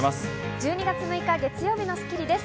１２月６日、月曜日の『スッキリ』です。